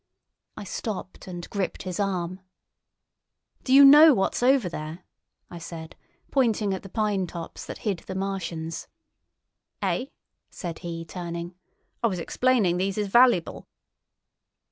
I stopped and gripped his arm. "Do you know what's over there?" I said, pointing at the pine tops that hid the Martians. "Eh?" said he, turning. "I was explainin' these is vallyble."